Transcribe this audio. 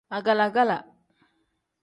Agala-gala.